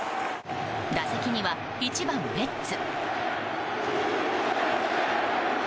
打席には１番ベッツ。